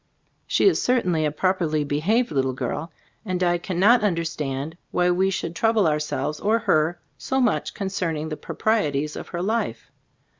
She is certainly a properly be haved little girl, and I cannot un derstand why we should trouble our selves or her so much concerning the proprieties of her life.